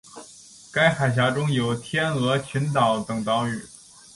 该海峡中有天鹅群岛等岛屿。